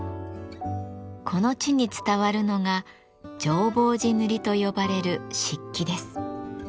この地に伝わるのが浄法寺塗と呼ばれる漆器です。